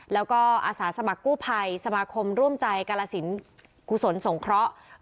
แล้วก็อาสาสมัครกู้ภัยสมาคมร่วมใจกาลสินกุศลสงเคราะห์